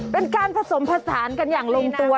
เป็นการผสมผสานกันอย่างลงตัว